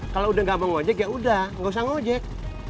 kalau udah gak ngojek yaudah gak usah ngojek